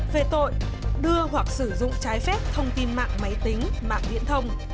về tội đưa hoặc sử dụng trái phép thông tin mạng máy tính mạng viễn thông